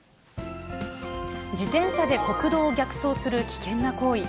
自転車で国道を逆走する危険な行為。